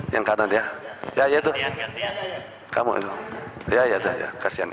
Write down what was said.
yang kanan ya ya ya itu kamu itu ya ya ya kasihan itu